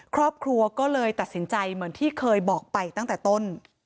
ครอบครัวก็เลยตัดสินใจเหมือนที่เคยบอกไปตั้งแต่ต้น